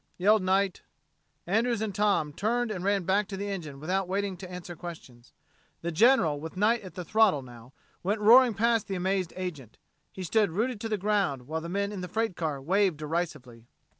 yelled Knight. Andrews and Tom turned and ran back to the engine without waiting to answer questions. The General with Knight at the throttle now, went roaring past the amazed agent. He stood rooted to the ground while the men in the freight car waved derisively.